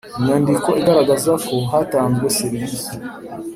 Inyandiko igaragaza ko hatanzwe serivisi